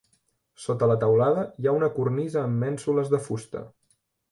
Sota la teulada hi ha una cornisa amb mènsules de fusta.